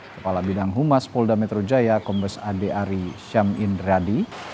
kepala bidang humas polda metro jaya kombes ade ari syam indradi